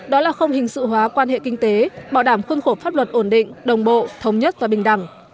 đó là không hình sự hóa quan hệ kinh tế bảo đảm khuôn khổ pháp luật ổn định đồng bộ thống nhất và bình đẳng